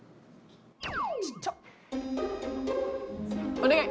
お願い！